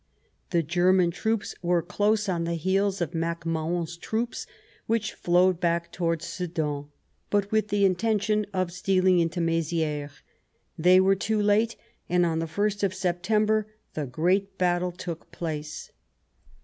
The German armies were close on the heels of Mac Mahon's troops, which flowed back towards Sedan, but with the intention of stealing into Mezieres. They were too late, and on the ist of September the great battle took place.